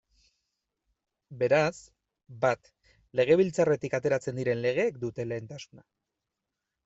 Beraz, bat, Legebiltzarretik ateratzen diren legeek dute lehentasuna.